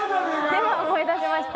今思い出しました。